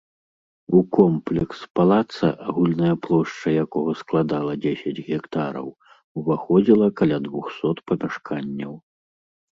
У комплекс палаца, агульная плошча якога складала дзесяць гектараў, уваходзіла каля двухсот памяшканняў.